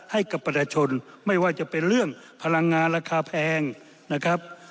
ให้กับประชาชนไม่ว่าจะเป็นเรื่องพลังงานราคาแพงนะครับ